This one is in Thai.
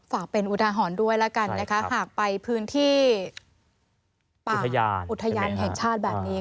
ฝากเป็นอุทาหรณ์ด้วยแล้วกันนะคะหากไปพื้นที่ป่าอุทยานแห่งชาติแบบนี้